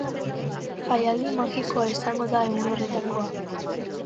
Jaialdi magikoa izango da egun horretakoa.